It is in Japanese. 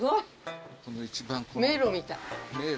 迷路みたい。